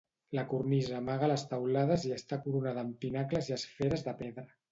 La cornisa amaga les teulades i està coronada amb pinacles i esferes de pedra.